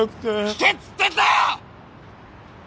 聞けっつってんだよ！！